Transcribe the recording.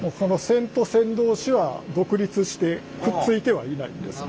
線と線同士は独立してくっついてはいないんです。